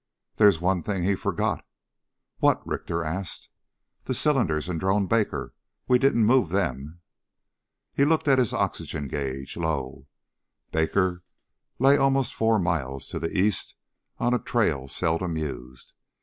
"There's one thing he forgot...." "What?" Richter asked. "The cylinders in Drone Baker. We didn't move them." He looked at his oxygen gauge. Low. Baker lay almost four miles to the east on a trail seldom used.